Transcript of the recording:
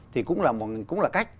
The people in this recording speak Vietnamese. thì cũng là cách